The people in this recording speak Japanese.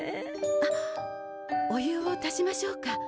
あっお湯を足しましょうか？